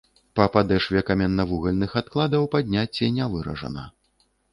Па падэшве каменнавугальных адкладаў падняцце не выражана.